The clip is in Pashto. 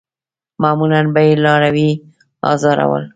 معمولاً به یې لاروي آزارول.